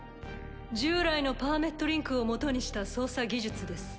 従来のパーメットリンクを基にした操作技術です。